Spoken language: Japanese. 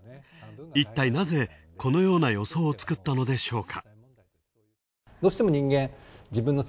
いったい、なぜ、このような予想を作ったのでしょうか。